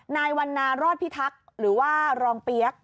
นายวันนารอดพิทักษ์หรือว่ารองเปี๊ยก